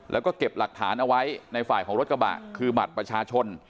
แล้วก็เก็บหลักฐานเอาไว้ในฝ่ายของรถกระบะคือบัตรประชาชน